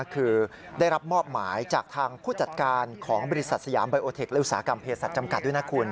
คือได้รับมอบหมายจากทางผู้จัดการของบริษัทสยามไยโอเทคและอุตสาหกรรมเพศสัตว์จำกัดด้วยนะคุณ